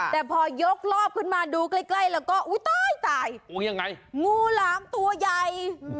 แต่พอยกลอบขึ้นมาดูใกล้แล้วก็อุ๊ยตายงูหลามตัวใหญ่